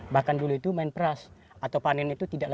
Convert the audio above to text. bahkan dulu itu main perang